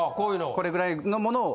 これぐらいのものを。